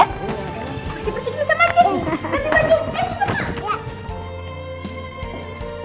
bersih bersih bisa majin nanti majin